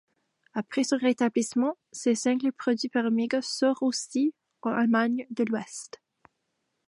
Après son rétablissement, ses singles produits par Amiga sortent aussi en Allemagne de l'ouest.